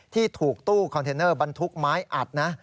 ที่ถูกตู้คอนเทนเนอร์บรรทุกไม้อัดนะ